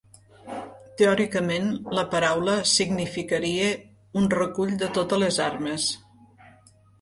Teòricament, la paraula significaria un 'recull de totes les armes'.